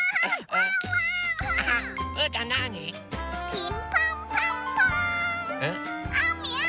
ピンポンパンポーン！